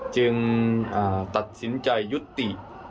จึงตัดสินใจยุติ